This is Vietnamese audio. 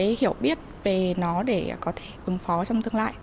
một cái hiểu biết về nó để có thể phương phó trong tương lai